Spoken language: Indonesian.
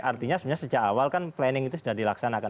artinya sebenarnya sejak awal kan planning itu sudah dilaksanakan